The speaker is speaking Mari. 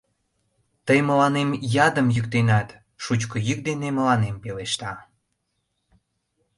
— Тый мыланем ядым йӱктенат, — шучко йӱк дене мыланем пелешта.